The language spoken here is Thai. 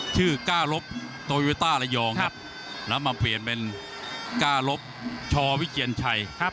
ก้าลบโตโยต้าระยองครับแล้วมาเปลี่ยนเป็นก้าลบชวิเกียรชัย